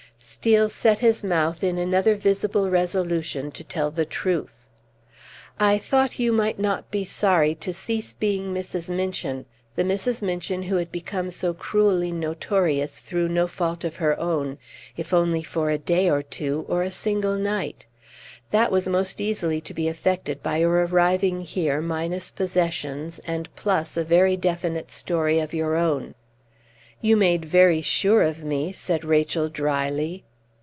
Steel set his mouth in another visible resolution to tell the truth. "I thought you might not be sorry to cease being Mrs. Minchin the Mrs. Minchin who had become so cruelly notorious through no fault of her own if only for a day or two, or a single night. That was most easily to be effected by your arriving here minus possessions, and plus a very definite story of your own." "You made very sure of me!" said Rachel, dryly.